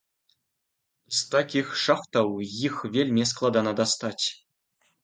З такіх шахтаў іх вельмі складана дастаць.